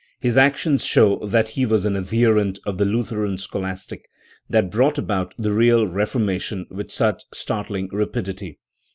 His actions show that he was an adherent of the Lutheran scholastic, that brought about the real Reformation with such startling rapidity.